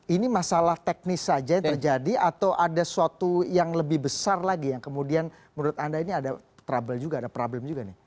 ini masalah teknis saja yang terjadi atau ada suatu yang lebih besar lagi yang kemudian menurut anda ini ada trouble juga ada problem juga nih